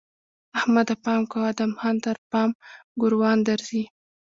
احمده! پام کوه؛ ادم خان تر پام ګوروان درځي!